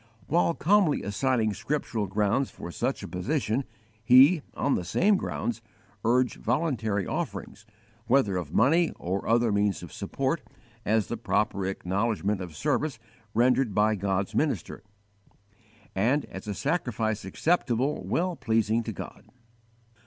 _ While calmly assigning scriptural grounds for such a position he, on the same grounds, urged voluntary offerings, whether of money or other means of support, as the proper acknowledgment of service rendered by God's minister, and as a sacrifice acceptable, well pleasing to God.